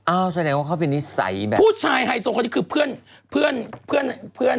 ชัดแชนว่าเค้าเป็นนิสัยแบบผู้ชายไฮโซคนนี้คือเพื่อน